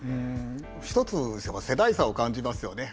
ひとつ、世代差を感じますよね。